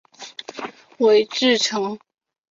韦志成。